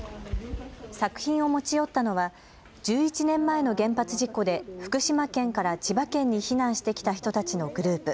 作品を持ち寄ったのは１１年前の原発事故で福島県から千葉県に避難してきた人たちのグループ。